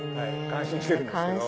感心してるんですけど。